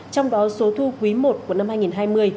trong đó số thu quý i của năm hai nghìn hai mươi